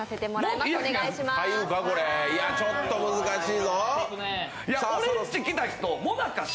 これちょっと難しいぞ。